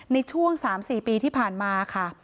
ในช่วง๓๔ปีที่ผ่านมาค่ะ